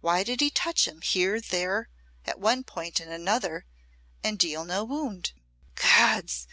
Why did he touch him here, there, at one point and another, and deal no wound? Gods!